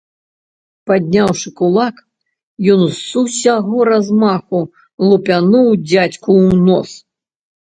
Падняўшы кулак, ён з усяго размаху лупянуў дзядзьку ў нос.